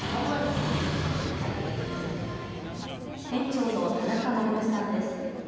店長の田中守さんです。